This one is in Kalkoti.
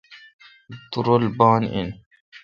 تورل بان این۔